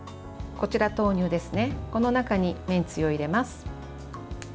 この中にめんつゆを入れます。